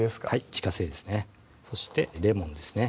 自家製ですねそしてレモンですね